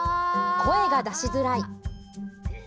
声が出しづらい。